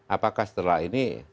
apakah setelah ini